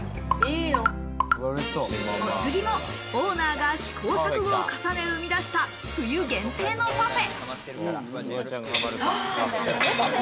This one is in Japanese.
お次も、オーナーが試行錯誤を重ね、生み出した冬限定のパフェ。